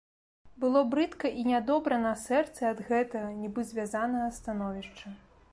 Было брыдка і нядобра на сэрцы ад гэтага, нібы звязанага, становішча.